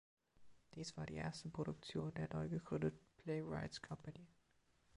Dies war die erste Produktion der neu gegründeten Playwrights‘ Company.